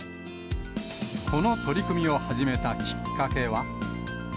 この取り組みを始めたきっかけは。